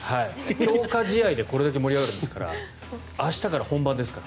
強化試合でこれだけ盛り上がるんですから明日から本番ですから。